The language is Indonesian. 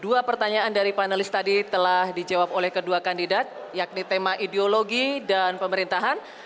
dua pertanyaan dari panelis tadi telah dijawab oleh kedua kandidat yakni tema ideologi dan pemerintahan